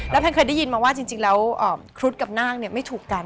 แพนเคยได้ยินมาว่าจริงแล้วครุฑกับนาคไม่ถูกกัน